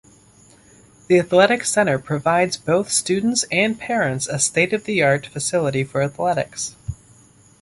The Athletic Center provides both students and parents a state-of-the-art facility for athletics.